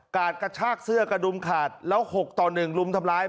กระชากเสื้อกระดุมขาดแล้ว๖ต่อ๑รุมทำร้าย